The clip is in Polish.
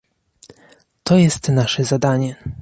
To jest nasze zadanie